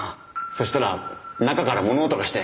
そしたら中から物音がして。